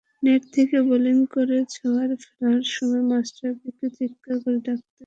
Net থেকে bowling করে ছায়ায় ফেরার সময় মাশরাফিকে চিত্কার করে ডাকলেন ধরমবীর।